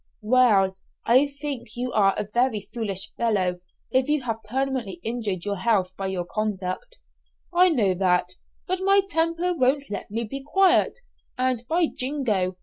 '" "Well, I think you are a very foolish fellow; you have permanently injured your health by your conduct." "I know all that, but my temper won't let me be quiet; and, by jingo!